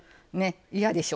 嫌でしょ。